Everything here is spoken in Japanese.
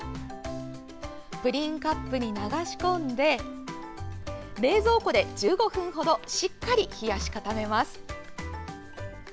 プリンカップに流し込んで冷蔵庫で１５分ほどしっかり冷やし固めます。